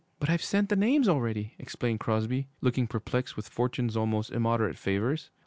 'But I've sent the names already,' explained Crosby, looking perplexed with fortune's almost immoderate favors.